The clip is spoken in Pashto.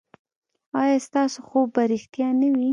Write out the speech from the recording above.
ایا ستاسو خوب به ریښتیا نه وي؟